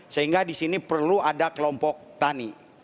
sehingga di sini perlu ada kelompok tani